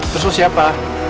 terus lo siapa